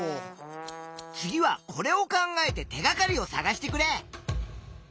次はこれを考えて手がかりをさがしてくれ！